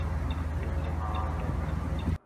تو جہان ہے۔